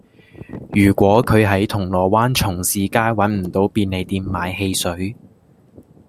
如果佢喺銅鑼灣重士街搵唔到便利店買汽水